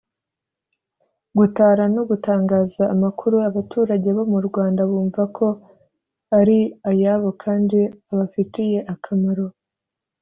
gutara no gutangaza amakuru abaturage bo mu Rwanda bumva ko ari ayabo kandi abafitiye akamaro